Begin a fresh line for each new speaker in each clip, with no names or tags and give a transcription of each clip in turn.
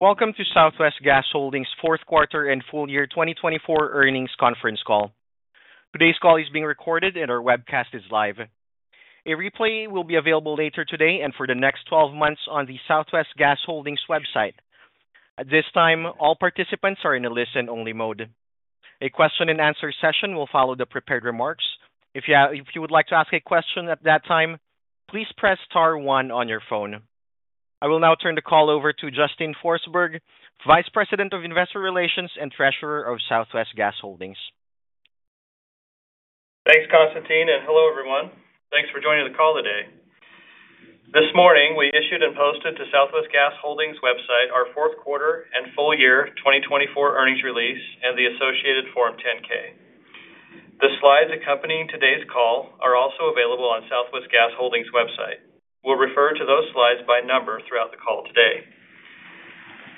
Welcome to Southwest Gas Holdings' Fourth Quarter And Full Year 2024 Earnings Conference Call. Today's call is being recorded, and our webcast is live. A replay will be available later today and for the next 12 months on the Southwest Gas Holdings website. At this time, all participants are in a listen-only mode. A question-and-answer session will follow the prepared remarks. If you would like to ask a question at that time, please press star one on your phone. I will now turn the call over to Justin Forsberg, Vice President of Investor Relations and Treasurer of Southwest Gas Holdings.
Thanks, Konstantin, and hello, everyone. Thanks for joining the call today. This morning, we issued and posted to Southwest Gas Holdings' website our fourth quarter and full year 2024 earnings release and the associated Form 10-K. The slides accompanying today's call are also available on Southwest Gas Holdings' website. We'll refer to those slides by number throughout the call today.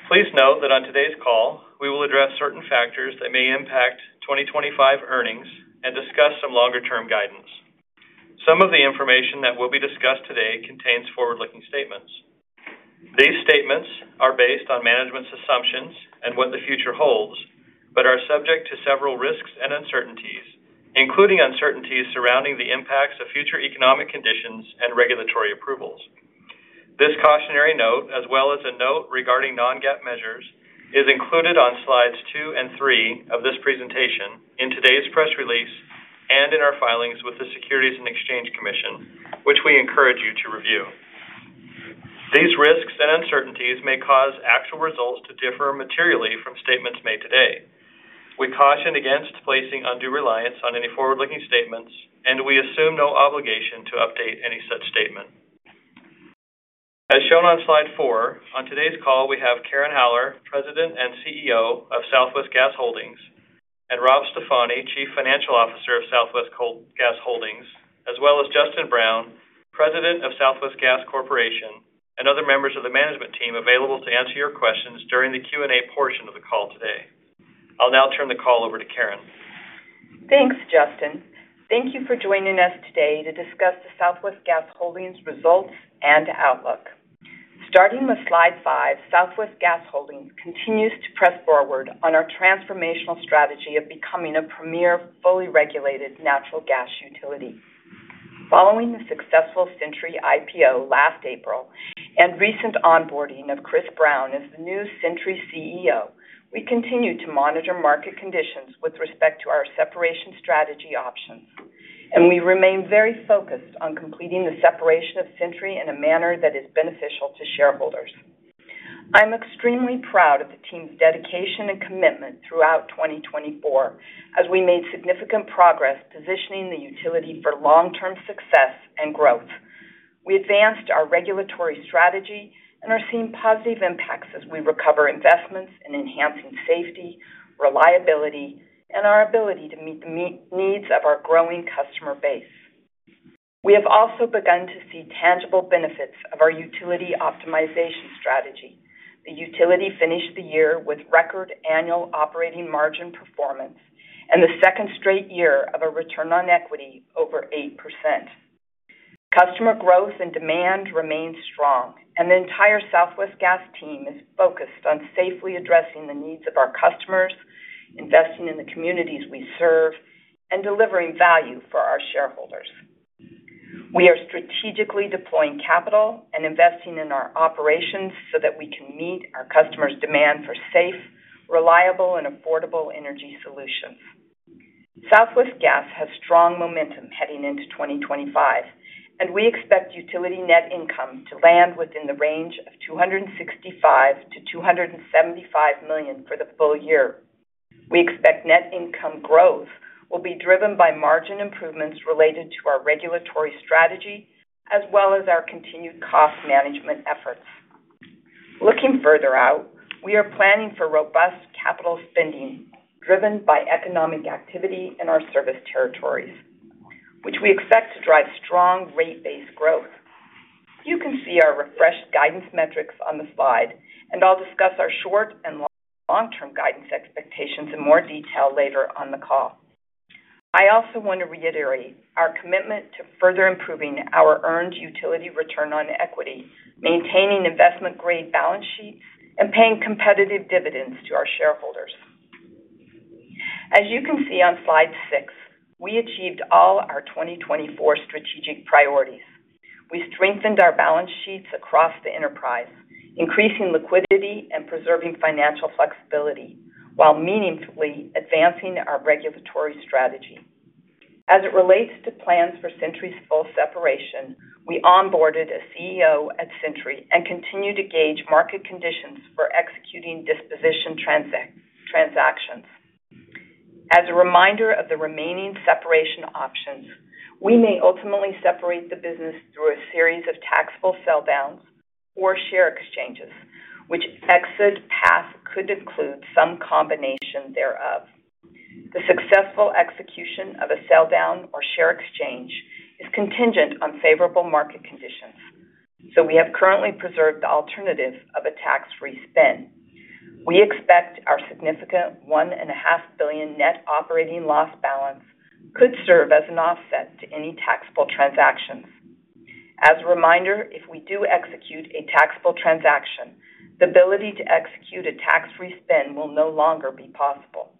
Please note that on today's call, we will address certain factors that may impact 2025 earnings and discuss some longer-term guidance. Some of the information that will be discussed today contains forward-looking statements. These statements are based on management's assumptions and what the future holds, but are subject to several risks and uncertainties, including uncertainties surrounding the impacts of future economic conditions and regulatory approvals. This cautionary note, as well as a note regarding non-GAAP measures, is included on slides two and three of this presentation in today's press release and in our filings with the Securities and Exchange Commission, which we encourage you to review. These risks and uncertainties may cause actual results to differ materially from statements made today. We caution against placing undue reliance on any forward-looking statements, and we assume no obligation to update any such statement. As shown on slide four, on today's call, we have Karen Haller, President and CEO of Southwest Gas Holdings, and Rob Stefani, Chief Financial Officer of Southwest Gas Holdings, as well as Justin Brown, President of Southwest Gas Corporation, and other members of the management team available to answer your questions during the Q&A portion of the call today. I'll now turn the call over to Karen.
Thanks, Justin. Thank you for joining us today to discuss the Southwest Gas Holdings' results and outlook. Starting with slide five, Southwest Gas Holdings continues to press forward on our transformational strategy of becoming a premier, fully regulated natural gas utility. Following the successful Centuri IPO last April and recent onboarding of Chris Brown as the new Sentry CEO, we continue to monitor market conditions with respect to our separation strategy options, and we remain very focused on completing the separation of Sentry in a manner that is beneficial to shareholders. I'm extremely proud of the team's dedication and commitment throughout 2024, as we made significant progress positioning the utility for long-term success and growth. We advanced our regulatory strategy and are seeing positive impacts as we recover investments in enhancing safety, reliability, and our ability to meet the needs of our growing customer base. We have also begun to see tangible benefits of our utility optimization strategy. The utility finished the year with record annual operating margin performance and the second straight year of a return on equity over 8%. Customer growth and demand remain strong, and the entire Southwest Gas team is focused on safely addressing the needs of our customers, investing in the communities we serve, and delivering value for our shareholders. We are strategically deploying capital and investing in our operations so that we can meet our customers' demand for safe, reliable, and affordable energy solutions. Southwest Gas has strong momentum heading into 2025, and we expect utility net income to land within the range of $265-$275 million for the full year. We expect net income growth will be driven by margin improvements related to our regulatory strategy, as well as our continued cost management efforts. Looking further out, we are planning for robust capital spending driven by economic activity in our service territories, which we expect to drive strong rate based growth. You can see our refreshed guidance metrics on the slide, and I'll discuss our short and long-term guidance expectations in more detail later on the call. I also want to reiterate our commitment to further improving our earned utility return on equity, maintaining investment-grade balance sheets, and paying competitive dividends to our shareholders. As you can see on slide six, we achieved all our 2024 strategic priorities. We strengthened our balance sheets across the enterprise, increasing liquidity and preserving financial flexibility while meaningfully advancing our regulatory strategy. As it relates to plans for Centuri's full separation, we onboarded a CEO at Centuri and continue to gauge market conditions for executing disposition transactions. As a reminder of the remaining separation options, we may ultimately separate the business through a series of taxable sell-downs or share exchanges, which exit path could include some combination thereof. The successful execution of a sell-down or share exchange is contingent on favorable market conditions, so we have currently preserved the alternative of a tax-free spin. We expect our significant $1.5 billion net operating loss balance could serve as an offset to any taxable transactions. As a reminder, if we do execute a taxable transaction, the ability to execute a tax-free spin will no longer be possible.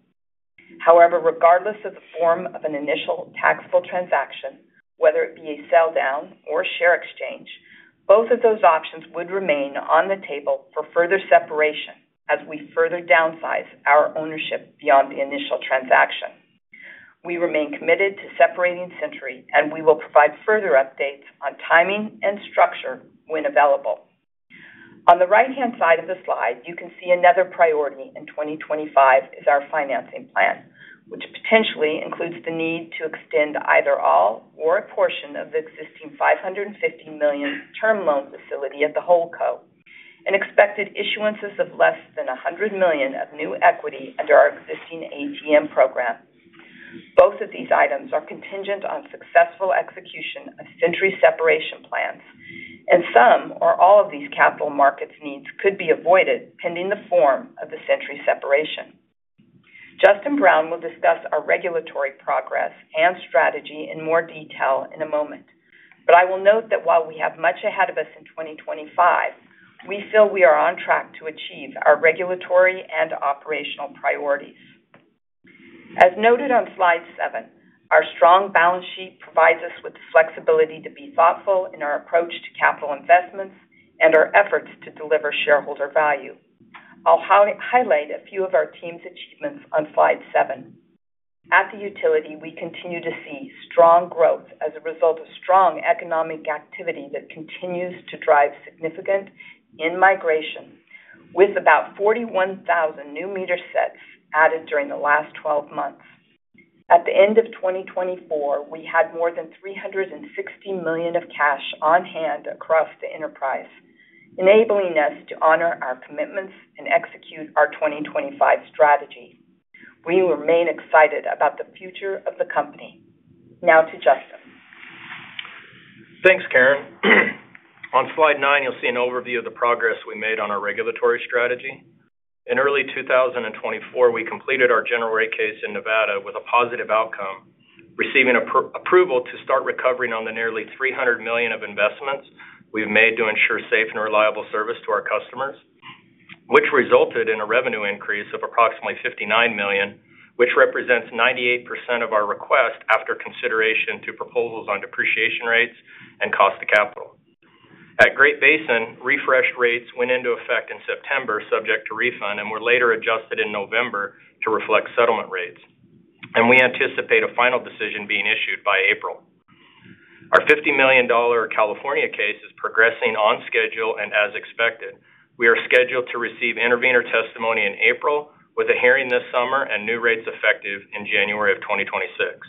However, regardless of the form of an initial taxable transaction, whether it be a sell-down or share exchange, both of those options would remain on the table for further separation as we further downsize our ownership beyond the initial transaction. We remain committed to separating Sentry, and we will provide further updates on timing and structure when available. On the right-hand side of the slide, you can see another priority in 2025 is our financing plan, which potentially includes the need to extend either all or a portion of the existing $550 million term loan facility at the Holdco, and expected issuances of less than $100 million of new equity under our existing ATM program. Both of these items are contingent on successful execution of Sentry separation plans, and some or all of these capital markets needs could be avoided pending the form of the Sentry separation. Justin Brown will discuss our regulatory progress and strategy in more detail in a moment, but I will note that while we have much ahead of us in 2025, we feel we are on track to achieve our regulatory and operational priorities. As noted on slide seven, our strong balance sheet provides us with the flexibility to be thoughtful in our approach to capital investments and our efforts to deliver shareholder value. I'll highlight a few of our team's achievements on slide seven. At the utility, we continue to see strong growth as a result of strong economic activity that continues to drive significant in-migration, with about 41,000 new meter sets added during the last 12 months. At the end of 2024, we had more than $360 million of cash on hand across the enterprise, enabling us to honor our commitments and execute our 2025 strategy. We remain excited about the future of the company. Now to Justin.
Thanks, Karen. On slide nine, you'll see an overview of the progress we made on our regulatory strategy. In early 2024, we completed our general rate case in Nevada with a positive outcome, receiving approval to start recovering on the nearly $300 million of investments we've made to ensure safe and reliable service to our customers, which resulted in a revenue increase of approximately $59 million, which represents 98% of our request after consideration to proposals on depreciation rates and cost of capital. At Great Basin, refreshed rates went into effect in September, subject to refund, and were later adjusted in November to reflect settlement rates, and we anticipate a final decision being issued by April. Our $50 million California case is progressing on schedule and as expected. We are scheduled to receive intervenor testimony in April with a hearing this summer and new rates effective in January of 2026.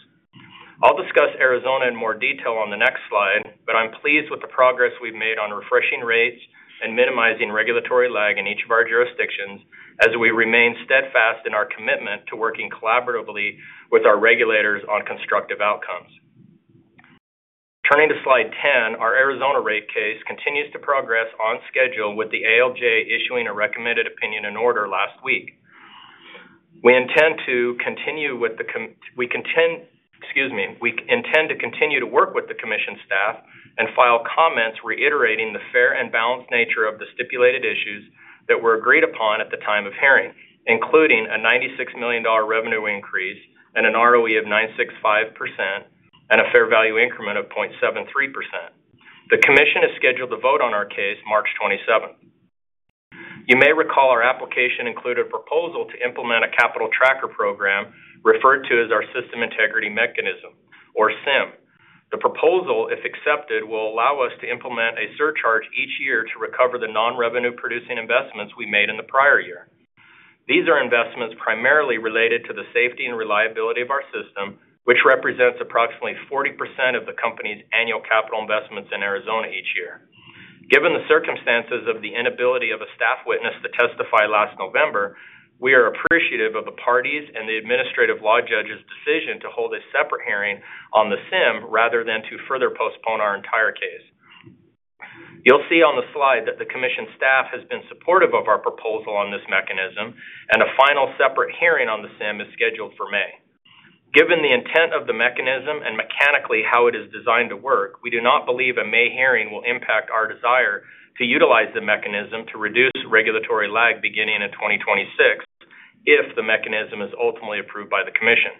I'll discuss Arizona in more detail on the next slide, but I'm pleased with the progress we've made on refreshing rates and minimizing regulatory lag in each of our jurisdictions as we remain steadfast in our commitment to working collaboratively with our regulators on constructive outcomes. Turning to slide 10, our Arizona rate case continues to progress on schedule, with the ALJ issuing a recommended opinion and order last week. We intend, excuse me, to continue to work with the commission staff and file comments reiterating the fair and balanced nature of the stipulated issues that were agreed upon at the time of hearing, including a $96 million revenue increase and an ROE of 9.65% and a fair value increment of 0.73%. The commission is scheduled to vote on our case March 27th. You may recall our application included a proposal to implement a capital tracker program referred to as our System Integrity Mechanism, or SIM. The proposal, if accepted, will allow us to implement a surcharge each year to recover the non-revenue-producing investments we made in the prior year. These are investments primarily related to the safety and reliability of our system, which represents approximately 40% of the company's annual capital investments in Arizona each year. Given the circumstances of the inability of a staff witness to testify last November, we are appreciative of the parties and the administrative law judge's decision to hold a separate hearing on the SIM rather than to further postpone our entire case. You'll see on the slide that the commission staff has been supportive of our proposal on this mechanism, and a final separate hearing on the SIM is scheduled for May. Given the intent of the mechanism and mechanically how it is designed to work, we do not believe a May hearing will impact our desire to utilize the mechanism to reduce regulatory lag beginning in 2026 if the mechanism is ultimately approved by the commission.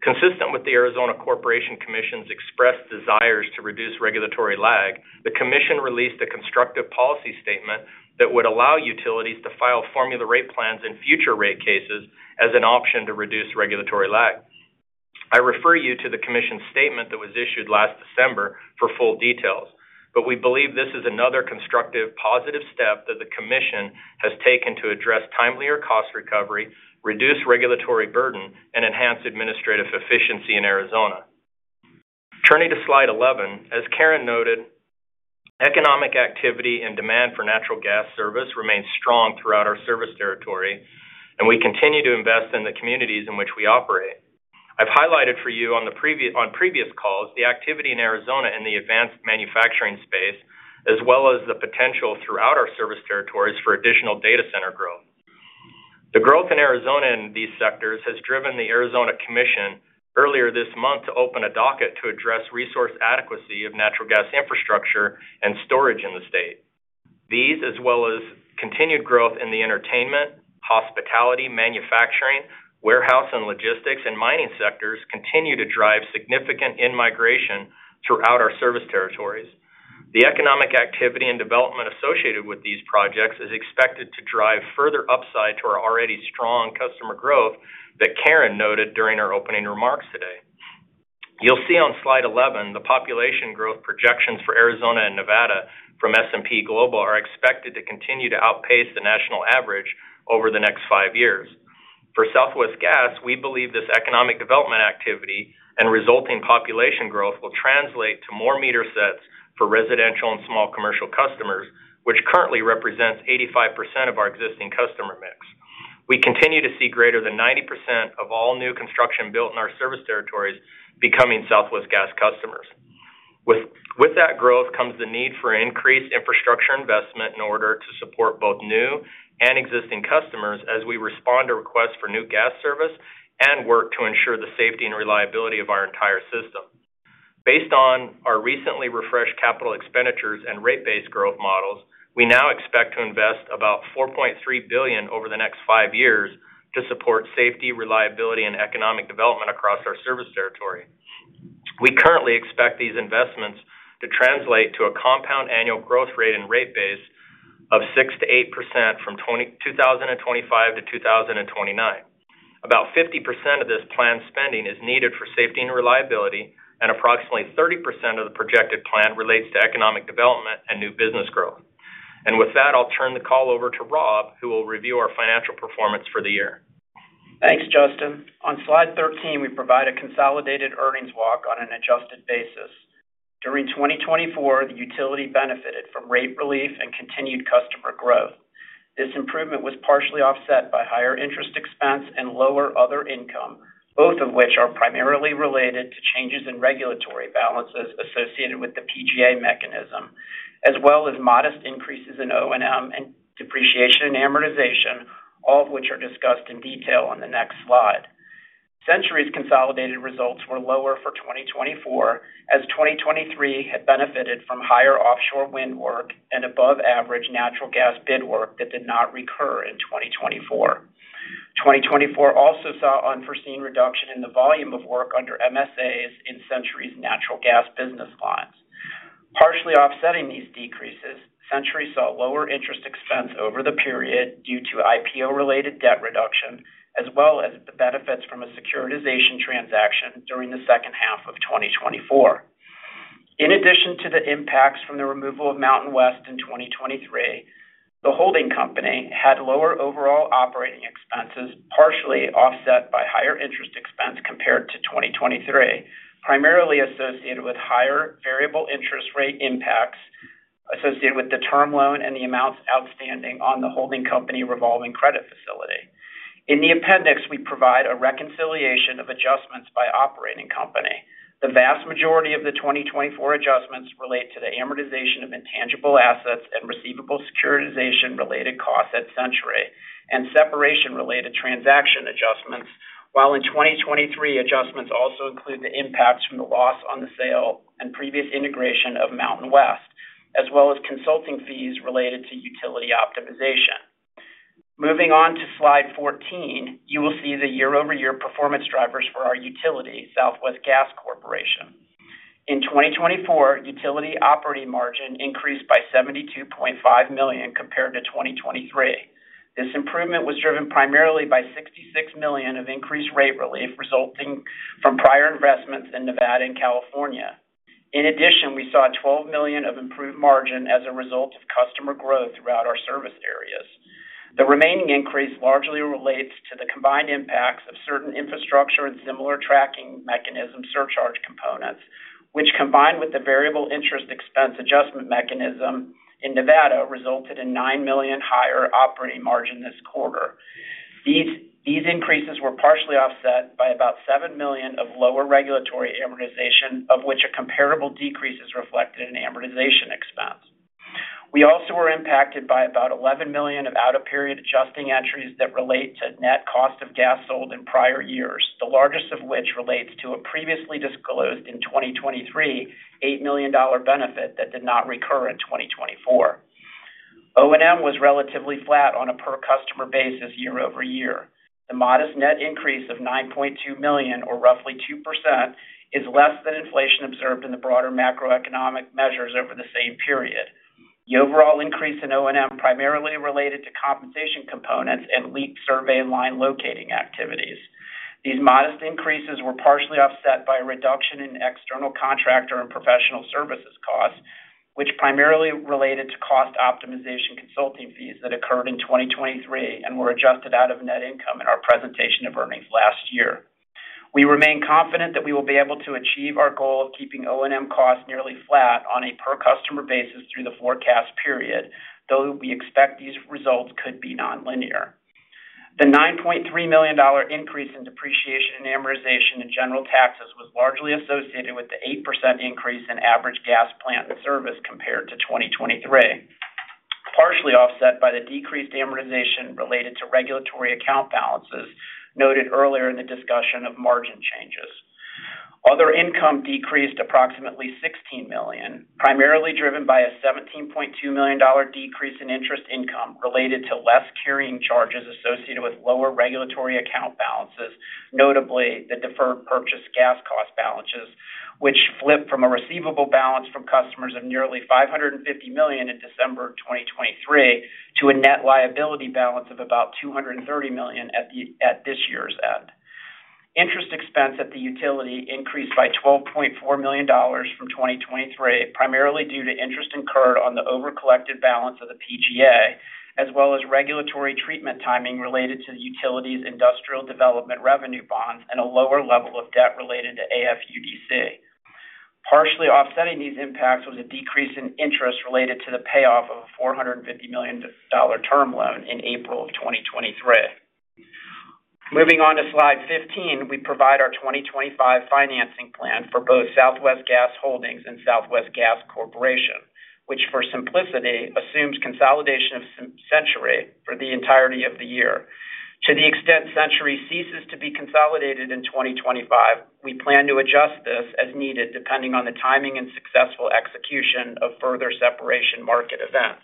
Consistent with the Arizona Corporation Commission's expressed desires to reduce regulatory lag, the commission released a constructive policy statement that would allow utilities to file formula rate plans in future rate cases as an option to reduce regulatory lag. I refer you to the commission statement that was issued last December for full details, but we believe this is another constructive positive step that the commission has taken to address timelier cost recovery, reduce regulatory burden, and enhance administrative efficiency in Arizona. Turning to slide 11, as Karen noted, economic activity and demand for natural gas service remains strong throughout our service territory, and we continue to invest in the communities in which we operate. I've highlighted for you on previous calls the activity in Arizona in the advanced manufacturing space, as well as the potential throughout our service territories for additional data center growth. The growth in Arizona in these sectors has driven the Arizona Corporation Commission earlier this month to open a docket to address resource adequacy of natural gas infrastructure and storage in the state. These, as well as continued growth in the entertainment, hospitality, manufacturing, warehouse and logistics, and mining sectors, continue to drive significant in-migration throughout our service territories. The economic activity and development associated with these projects is expected to drive further upside to our already strong customer growth that Karen noted during her opening remarks today. You'll see on slide 11 the population growth projections for Arizona and Nevada from S&P Global are expected to continue to outpace the national average over the next five years. For Southwest Gas, we believe this economic development activity and resulting population growth will translate to more meter sets for residential and small commercial customers, which currently represents 85% of our existing customer mix. We continue to see greater than 90% of all new construction built in our service territories becoming Southwest Gas customers. With that growth comes the need for increased infrastructure investment in order to support both new and existing customers as we respond to requests for new gas service and work to ensure the safety and reliability of our entire system. Based on our recently refreshed capital expenditures and rate-based growth models, we now expect to invest about $4.3 billion over the next five years to support safety, reliability, and economic development across our service territory. We currently expect these investments to translate to a compound annual growth rate and rate base of 6%-8% from 2025 to 2029. About 50% of this planned spending is needed for safety and reliability, and approximately 30% of the projected plan relates to economic development and new business growth. And with that, I'll turn the call over to Rob, who will review our financial performance for the year.
Thanks, Justin. On slide 13, we provide a consolidated earnings walk on an adjusted basis. During 2024, the utility benefited from rate relief and continued customer growth. This improvement was partially offset by higher interest expense and lower other income, both of which are primarily related to changes in regulatory balances associated with the PGA mechanism, as well as modest increases in O&M and depreciation and amortization, all of which are discussed in detail on the next slide. Sentry's consolidated results were lower for 2024, as 2023 had benefited from higher offshore wind work and above-average natural gas bid work that did not recur in 2024. 2024 also saw unforeseen reduction in the volume of work under MSAs in Sentry's natural gas business lines. Partially offsetting these decreases, Centuri saw lower interest expense over the period due to IPO-related debt reduction, as well as the benefits from a securitization transaction during the second half of 2024. In addition to the impacts from the removal of MountainWest in 2023, the holding company had lower overall operating expenses, partially offset by higher interest expense compared to 2023, primarily associated with higher variable interest rate impacts associated with the term loan and the amounts outstanding on the holding company revolving credit facility. In the appendix, we provide a reconciliation of adjustments by operating company. The vast majority of the 2024 adjustments relate to the amortization of intangible assets and receivable securitization-related costs at Sentry and separation-related transaction adjustments, while in 2023, adjustments also include the impacts from the loss on the sale and previous integration of MountainWest, as well as consulting fees related to utility optimization. Moving on to slide 14, you will see the year-over-year performance drivers for our utility, Southwest Gas Corporation. In 2024, utility operating margin increased by $72.5 million compared to 2023. This improvement was driven primarily by $66 million of increased rate relief resulting from prior investments in Nevada and California. In addition, we saw $12 million of improved margin as a result of customer growth throughout our service areas. The remaining increase largely relates to the combined impacts of certain infrastructure and similar tracking mechanism surcharge components, which, combined with the variable interest expense adjustment mechanism in Nevada, resulted in $9 million higher operating margin this quarter. These increases were partially offset by about $7 million of lower regulatory amortization, of which a comparable decrease is reflected in amortization expense. We also were impacted by about $11 million of out-of-period adjusting entries that relate to net cost of gas sold in prior years, the largest of which relates to a previously disclosed in 2023 $8 million benefit that did not recur in 2024. O&M was relatively flat on a per-customer basis year-over-year. The modest net increase of $9.2 million, or roughly 2%, is less than inflation observed in the broader macroeconomic measures over the same period. The overall increase in O&M primarily related to compensation components and leak survey line locating activities. These modest increases were partially offset by a reduction in external contractor and professional services costs, which primarily related to cost optimization consulting fees that occurred in 2023 and were adjusted out of net income in our presentation of earnings last year. We remain confident that we will be able to achieve our goal of keeping O&M costs nearly flat on a per-customer basis through the forecast period, though we expect these results could be non-linear. The $9.3 million increase in depreciation, amortization, and general taxes was largely associated with the 8% increase in average gas plant in service compared to 2023, partially offset by the decreased amortization related to regulatory account balances noted earlier in the discussion of margin changes. Other income decreased approximately $16 million, primarily driven by a $17.2 million decrease in interest income related to less carrying charges associated with lower regulatory account balances, notably the deferred purchased gas cost balances, which flipped from a receivable balance from customers of nearly $550 million in December 2023 to a net liability balance of about $230 million at this year's end. Interest expense at the utility increased by $12.4 million from 2023, primarily due to interest incurred on the over-collected balance of the PGA, as well as regulatory treatment timing related to the utility's industrial development revenue bonds and a lower level of debt related to AFUDC. Partially offsetting these impacts was a decrease in interest related to the payoff of a $450 million term loan in April of 2023. Moving on to slide 15, we provide our 2025 financing plan for both Southwest Gas Holdings and Southwest Gas Corporation, which, for simplicity, assumes consolidation of Sentry for the entirety of the year. To the extent Sentry ceases to be consolidated in 2025, we plan to adjust this as needed depending on the timing and successful execution of further separation market events.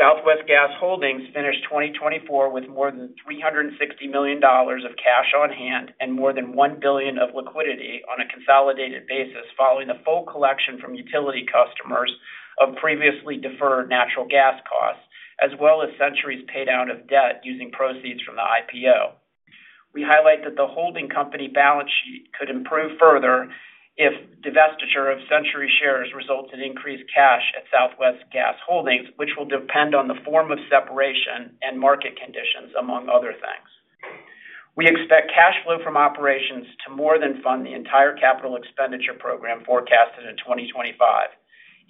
Southwest Gas Holdings finished 2024 with more than $360 million of cash on hand and more than $1 billion of liquidity on a consolidated basis following a full collection from utility customers of previously deferred natural gas costs, as well as Sentry's paydown of debt using proceeds from the IPO. We highlight that the holding company balance sheet could improve further if divestiture of Sentry shares results in increased cash at Southwest Gas Holdings, which will depend on the form of separation and market conditions, among other things. We expect cash flow from operations to more than fund the entire capital expenditure program forecasted in 2025.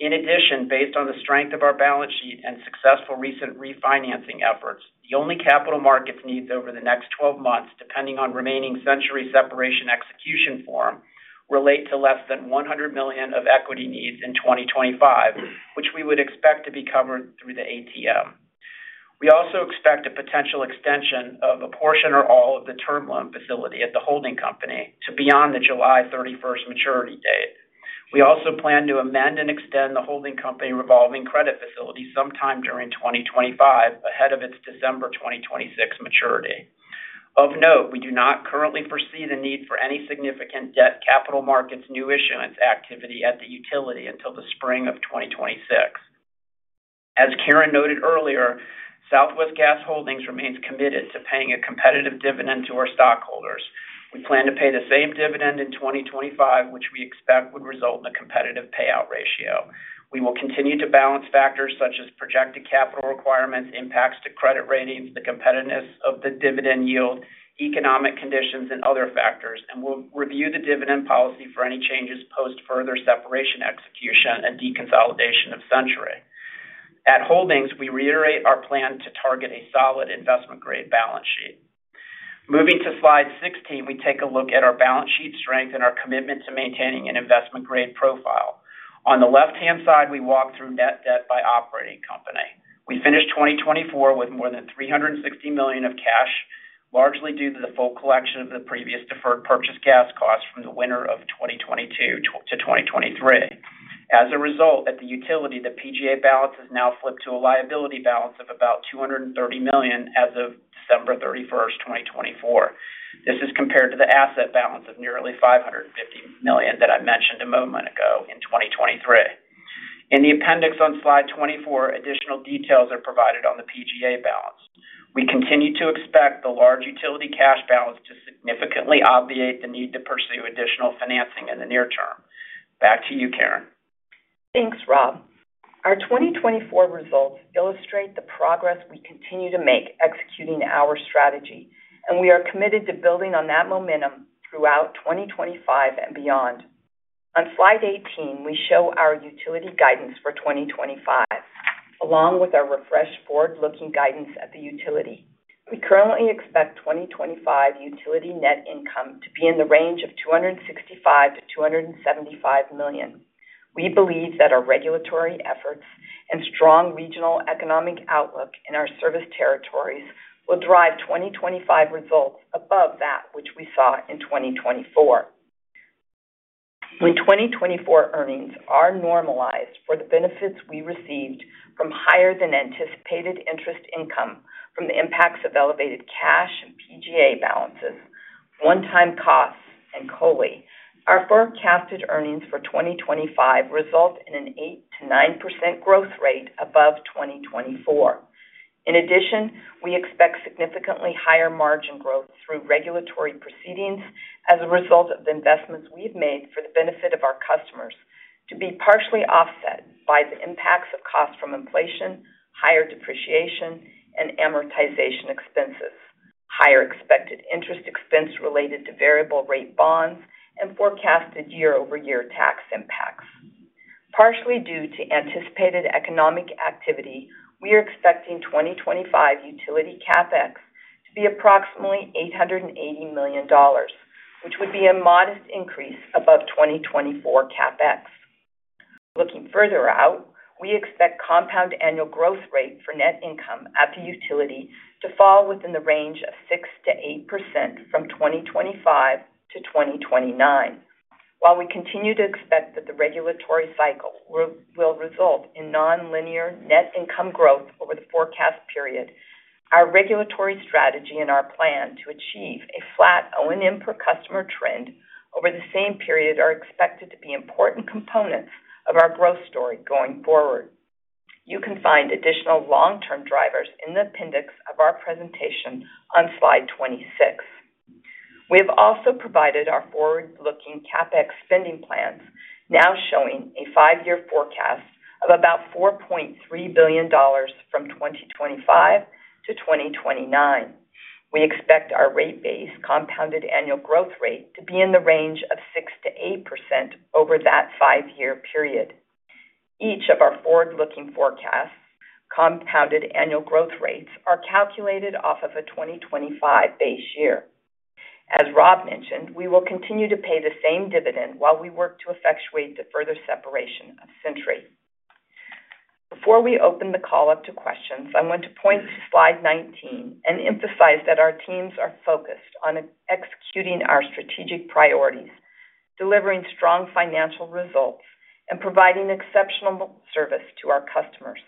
In addition, based on the strength of our balance sheet and successful recent refinancing efforts, the only capital markets needs over the next 12 months, depending on remaining Centuri separation execution form, relate to less than $100 million of equity needs in 2025, which we would expect to be covered through the ATM. We also expect a potential extension of a portion or all of the term loan facility at the holding company to beyond the July 31st maturity date. We also plan to amend and extend the holding company revolving credit facility sometime during 2025 ahead of its December 2026 maturity. Of note, we do not currently foresee the need for any significant debt capital markets new issuance activity at the utility until the spring of 2026. As Karen noted earlier, Southwest Gas Holdings remains committed to paying a competitive dividend to our stockholders. We plan to pay the same dividend in 2025, which we expect would result in a competitive payout ratio. We will continue to balance factors such as projected capital requirements, impacts to credit ratings, the competitiveness of the dividend yield, economic conditions, and other factors, and we'll review the dividend policy for any changes post further separation execution and deconsolidation of Sentry. At Holdings, we reiterate our plan to target a solid investment-grade balance sheet. Moving to slide 16, we take a look at our balance sheet strength and our commitment to maintaining an investment-grade profile. On the left-hand side, we walk through net debt by operating company. We finished 2024 with more than $360 million of cash, largely due to the full collection of the previous deferred purchased gas costs from the winter of 2022 to 2023. As a result, at the utility, the PGA balance has now flipped to a liability balance of about $230 million as of December 31st, 2024. This is compared to the asset balance of nearly $550 million that I mentioned a moment ago in 2023. In the appendix on slide 24, additional details are provided on the PGA balance. We continue to expect the large utility cash balance to significantly obviate the need to pursue additional financing in the near term. Back to you, Karen.
Thanks, Rob. Our 2024 results illustrate the progress we continue to make executing our strategy, and we are committed to building on that momentum throughout 2025 and beyond. On slide 18, we show our utility guidance for 2025, along with our refreshed forward-looking guidance at the utility. We currently expect 2025 utility net income to be in the range of $265-$275 million. We believe that our regulatory efforts and strong regional economic outlook in our service territories will drive 2025 results above that which we saw in 2024. When 2024 earnings are normalized for the benefits we received from higher-than-anticipated interest income from the impacts of elevated cash and PGA balances, one-time costs, and COLI, our forecasted earnings for 2025 result in an 8%-9% growth rate above 2024. In addition, we expect significantly higher margin growth through regulatory proceedings as a result of the investments we've made for the benefit of our customers to be partially offset by the impacts of costs from inflation, higher depreciation and amortization expenses, higher expected interest expense related to variable rate bonds, and forecasted year-over-year tax impacts. Partially due to anticipated economic activity, we are expecting 2025 utility CapEx to be approximately $880 million, which would be a modest increase above 2024 CapEx. Looking further out, we expect compound annual growth rate for net income at the utility to fall within the range of 6%-8% from 2025 to 2029. While we continue to expect that the regulatory cycle will result in non-linear net income growth over the forecast period, our regulatory strategy and our plan to achieve a flat O&M per customer trend over the same period are expected to be important components of our growth story going forward. You can find additional long-term drivers in the appendix of our presentation on slide 26. We have also provided our forward-looking CapEx spending plans, now showing a five-year forecast of about $4.3 billion from 2025 to 2029. We expect our rate-based compounded annual growth rate to be in the range of 6%-8% over that five-year period. Each of our forward-looking forecasts' compounded annual growth rates are calculated off of a 2025 base year. As Rob mentioned, we will continue to pay the same dividend while we work to effectuate the further separation of Centuri. Before we open the call up to questions, I want to point to slide 19 and emphasize that our teams are focused on executing our strategic priorities, delivering strong financial results, and providing exceptional service to our customers.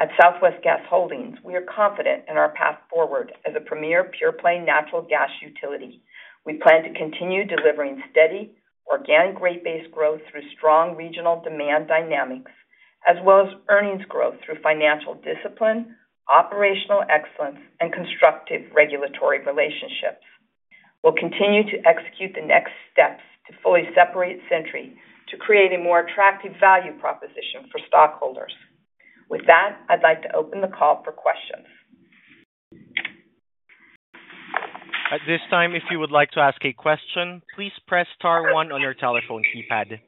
At Southwest Gas Holdings, we are confident in our path forward as a premier pure-play natural gas utility. We plan to continue delivering steady organic rate-based growth through strong regional demand dynamics, as well as earnings growth through financial discipline, operational excellence, and constructive regulatory relationships. We'll continue to execute the next steps to fully separate Sentry to create a more attractive value proposition for stockholders. With that, I'd like to open the call for questions.
At this time, if you would like to ask a question, please press Star 1 on your telephone keypad.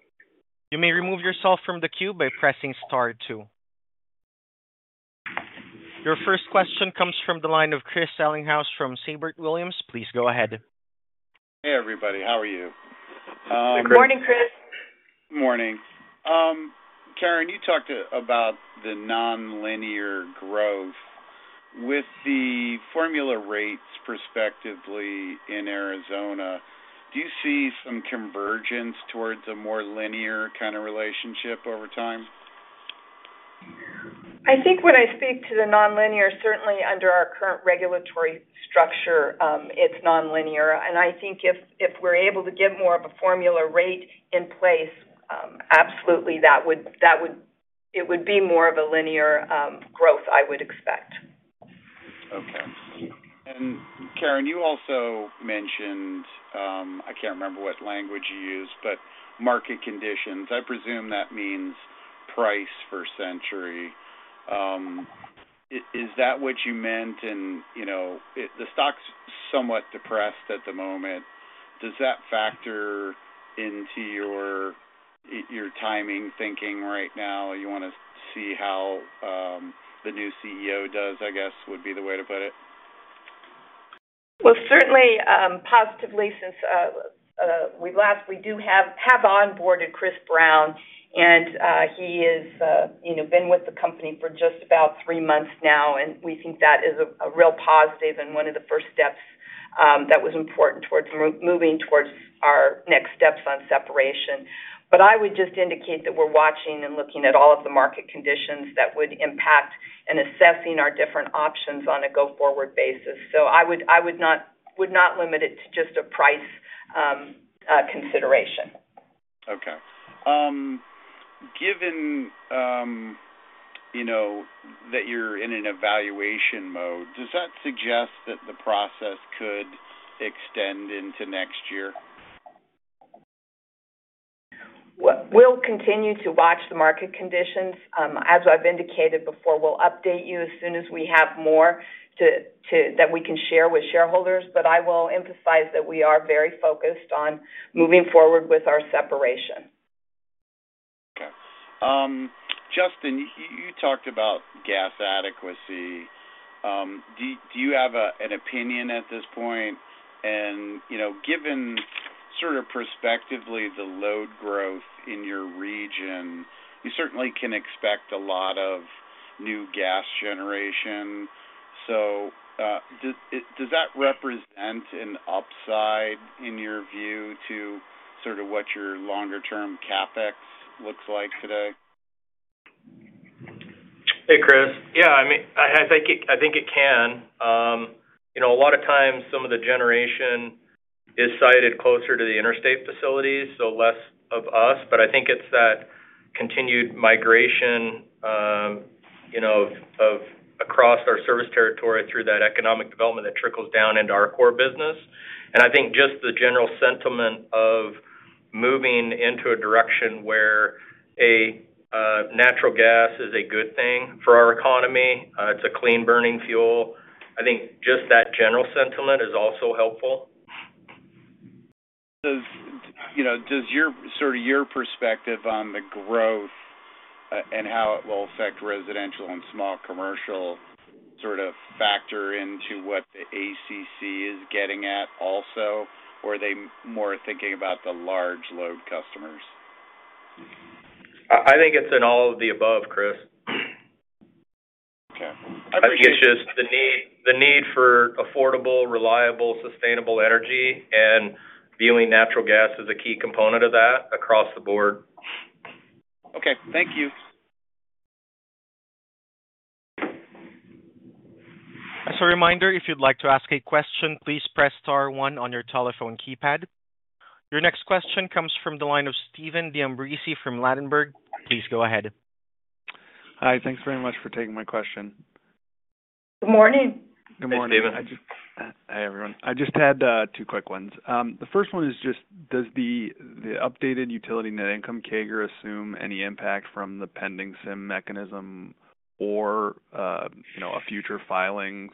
You may remove yourself from the queue by pressing Star 2. Your first question comes from the line of Chris Ellinghaus from Siebert Williams. Please go ahead.
Hey, everybody. How are you?
Good morning, Chris.
Good morning. Karen, you talked about the non-linear growth. With the formula rates prospectively in Arizona, do you see some convergence towards a more linear kind of relationship over time?
I think when I speak to the non-linear, certainly under our current regulatory structure, it's non-linear, and I think if we're able to get more of a formula rate in place, absolutely, it would be more of a linear growth, I would expect.
Okay. And Karen, you also mentioned - I can't remember what language you used - but market conditions. I presume that means price for Sentry. Is that what you meant? And the stock's somewhat depressed at the moment. Does that factor into your timing thinking right now? You want to see how the new CEO does, I guess, would be the way to put it?
Certainly positively, since we do have onboarded Chris Brown, and he has been with the company for just about three months now, and we think that is a real positive and one of the first steps that was important towards moving towards our next steps on separation. I would just indicate that we're watching and looking at all of the market conditions that would impact and assessing our different options on a go-forward basis. I would not limit it to just a price consideration.
Okay. Given that you're in an evaluation mode, does that suggest that the process could extend into next year?
We'll continue to watch the market conditions. As I've indicated before, we'll update you as soon as we have more that we can share with shareholders. But I will emphasize that we are very focused on moving forward with our separation.
Okay. Justin, you talked about gas adequacy. Do you have an opinion at this point? And given sort of prospectively the load growth in your region, you certainly can expect a lot of new gas generation. So does that represent an upside in your view to sort of what your longer-term CapEx looks like today?
Hey, Chris. Yeah, I mean, I think it can. A lot of times, some of the generation is sited closer to the interstate facilities, so less of us. But I think it's that continued migration across our service territory through that economic development that trickles down into our core business. And I think just the general sentiment of moving into a direction where natural gas is a good thing for our economy, it's a clean burning fuel, I think just that general sentiment is also helpful.
Does sort of your perspective on the growth and how it will affect residential and small commercial sort of factor into what the ACC is getting at also, or are they more thinking about the large load customers?
I think it's in all of the above, Chris.
Okay. I appreciate it.
I think it's just the need for affordable, reliable, sustainable energy, and viewing natural gas as a key component of that across the board.
Okay. Thank you.
As a reminder, if you'd like to ask a question, please press Star 1 on your telephone keypad. Your next question comes from the line of Stephen D'Ambrisi from Ladenburg. Please go ahead.
Hi. Thanks very much for taking my question.
Good morning.
Good morning.
Hey, Steven.
Hey, everyone. I just had two quick ones. The first one is just, does the updated utility net income CAGR assume any impact from the pending SIM mechanism or a future filing,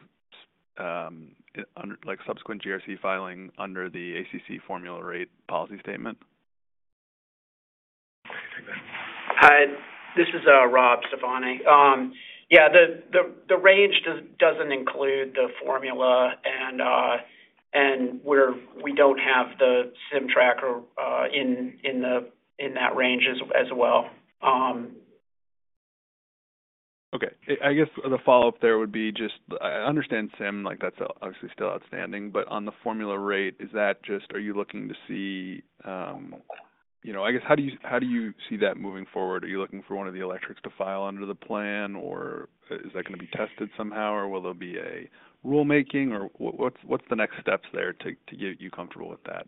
like subsequent GRC filing under the ACC formula rate policy statement?
Hi. This is Rob Stefani. Yeah, the range doesn't include the formula, and we don't have the SIM tracker in that range as well. Okay. I guess the follow-up there would be just, I understand SIM, that's obviously still outstanding, but on the formula rate, is that just, are you looking to see, I guess, how do you see that moving forward? Are you looking for one of the electrics to file under the plan, or is that going to be tested somehow, or will there be a rulemaking, or what's the next steps there to get you comfortable with that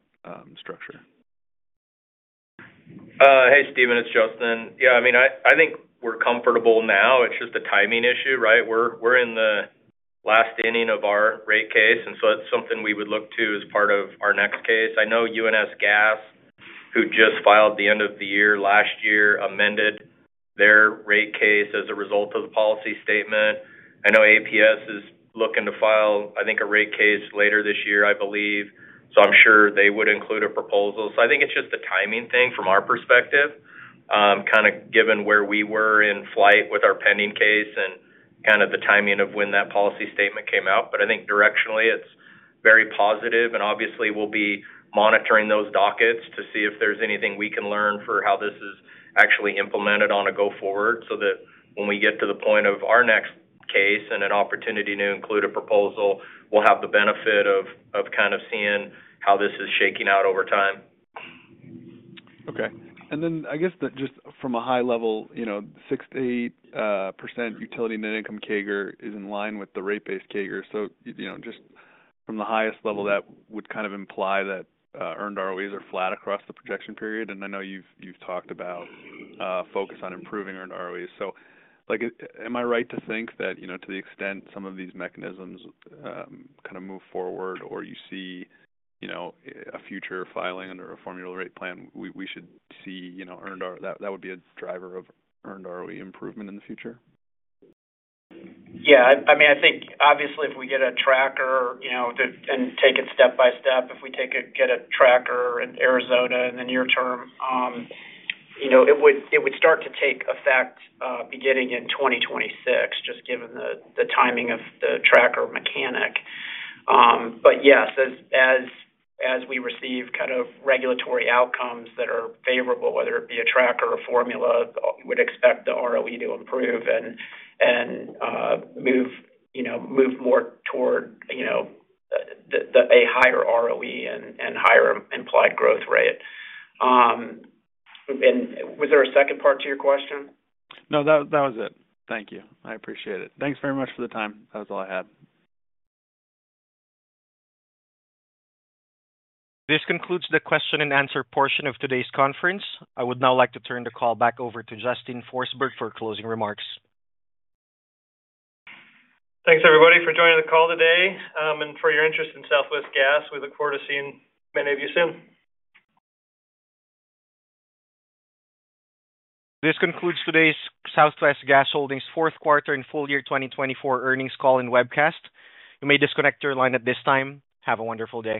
structure?
Hey, Steven, it's Justin. Yeah, I mean, I think we're comfortable now. It's just a timing issue, right? We're in the last inning of our rate case, and so it's something we would look to as part of our next case. I know UNS Gas, who just filed the end of the year last year, amended their rate case as a result of the policy statement. I know APS is looking to file, I think, a rate case later this year, I believe. So I'm sure they would include a proposal. So I think it's just a timing thing from our perspective, kind of given where we were in flight with our pending case and kind of the timing of when that policy statement came out. But I think directionally, it's very positive. Obviously, we'll be monitoring those dockets to see if there's anything we can learn for how this is actually implemented on a go-forward so that when we get to the point of our next case and an opportunity to include a proposal, we'll have the benefit of kind of seeing how this is shaking out over time.
Okay. And then I guess just from a high level, 6%-8% utility net income CAGR is in line with the rate-based CAGR. So just from the highest level, that would kind of imply that earned ROEs are flat across the projection period. And I know you've talked about focus on improving earned ROEs. So am I right to think that to the extent some of these mechanisms kind of move forward or you see a future filing under a formula rate plan, we should see earned—that would be a driver of earned ROE improvement in the future?
Yeah. I mean, I think obviously if we get a tracker and take it step by step, if we get a tracker in Arizona in the near term, it would start to take effect beginning in 2026, just given the timing of the tracker mechanic. But yes, as we receive kind of regulatory outcomes that are favorable, whether it be a tracker or formula, we would expect the ROE to improve and move more toward a higher ROE and higher implied growth rate. And was there a second part to your question?
No, that was it. Thank you. I appreciate it. Thanks very much for the time. That was all I had.
This concludes the question-and-answer portion of today's conference. I would now like to turn the call back over to Justin Forsberg for closing remarks.
Thanks, everybody, for joining the call today. And for your interest in Southwest Gas, we look forward to seeing many of you soon.
This concludes today's Southwest Gas Holdings fourth quarter and full year 2024 earnings call in webcast. You may disconnect your line at this time. Have a wonderful day.